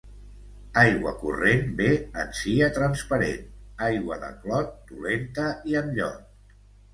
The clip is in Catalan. Aigua corrent bé en sia transparent; aigua de clot, dolenta i amb llot.